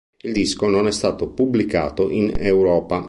Il disco non è stato pubblicato in Europa.